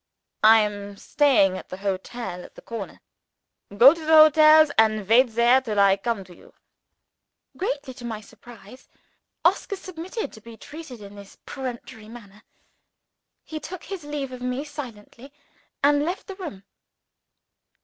"I am staying at the hotel at the corner." "Go to the hotel, and wait there till I come to you." Greatly to my surprise, Oscar submitted to be treated in this peremptory manner. He took his leave of me silently, and left the room.